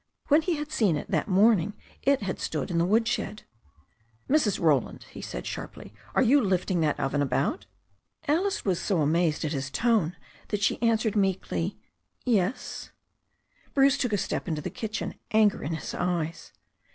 When he had seen it that morning it had stood in the woodshed. "Mrs. Roland," he said sharply, "are you lifting that oven about?" Alice was so amazed at his tone that she answered meekly "Yes." 70 THE STORY OF A NEW ZEALAND RIVER 71 Bruce took a step into the kitchen, anger in his eyes.